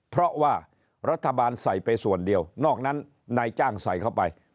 เพราะว่ารัฐบาลใส่ไปส่วนเดียวนอกนั้นนายจ้างใส่เข้าไป